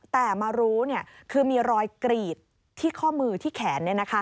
แต่มารู้คือมีรอยกรีดที่ข้อมือที่แขน